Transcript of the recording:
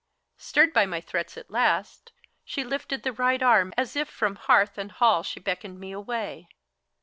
Stirred by my threats at last, she lifted the right arm As if from hearth and hall she beckoned me away.